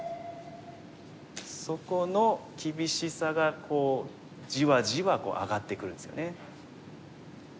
そこの厳しさがこうじわじわ上がってくるんですよね。